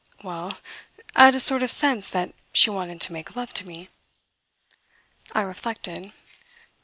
"Well, at a sort of sense that she wanted to make love to me." I reflected.